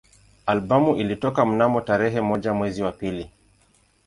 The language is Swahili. Albamu ilitoka mnamo tarehe moja mwezi wa pili